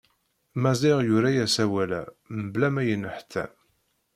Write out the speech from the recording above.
Maziɣ yura-as awal-a mebla ma yenneḥtam.